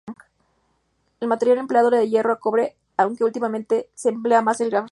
El material empleado es hierro o cobre aunque últimamente se emplea más el grafito.